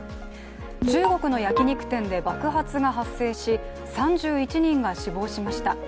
中国の焼き肉店で爆発が発生し３１人が死亡しました。